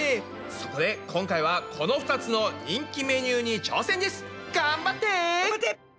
そこで今回はこの２つの人気メニューに挑戦です！頑張って！頑張って！